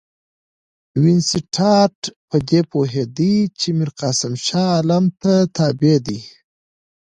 وینسیټارټ په دې پوهېدی چې میرقاسم شاه عالم ته تابع دی.